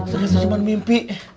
ternyata cuma mimpi